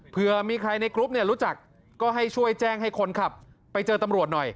เพื่อมีใครในกรุ๊ปเนี่ยรู้จักก็ให้ช่วยแจ้งให้คนขับไปเจอตำรวจหน่อย